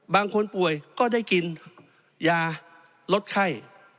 บางคนป่วยก็ได้กินยาลดไข้